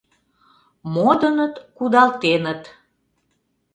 Модыныт — кудалтеныт.